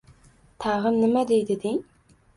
Tag‘in nima deydi, deng?